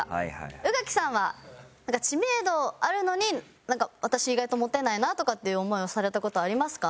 宇垣さんは知名度あるのに私意外とモテないなとかっていう思いをされた事ありますか？